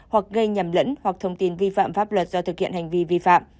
hoặc gây nhầm lẫn hoặc thông tin vi phạm pháp luật do thực hiện hành vi vi phạm